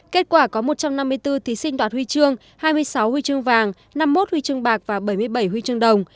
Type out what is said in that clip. kết quả có một trăm năm mươi bốn thí sinh đoạt huy chương hai mươi sáu huy chương vàng năm mươi một huy chương bạc và bảy mươi bảy huy chương đồng